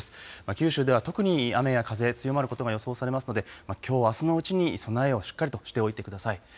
九州では特に雨や風、強まることが予想されますのできょうあすのうちに備えをしっかりとしておいてください。